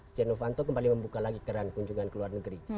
setia novanto kembali membuka lagi keran kunjungan ke luar negeri